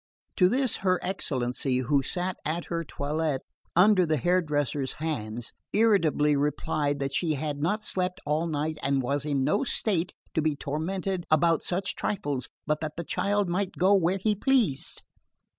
To this her excellency, who sat at her toilet under the hair dresser's hands, irritably replied that she had not slept all night and was in no state to be tormented about such trifles, but that the child might go where he pleased.